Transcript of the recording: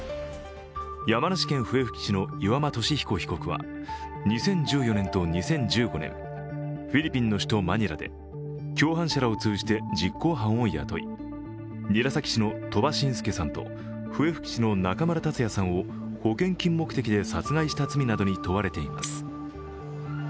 山梨県笛吹市の岩間俊彦被告は２０１４年と２０１５年、フィリピンの首都マニラで共犯者らを通じて実行犯を雇い、韮崎市の鳥羽信介さんと笛吹市の中村達也さんを保険金目的で殺害した罪などに問われています。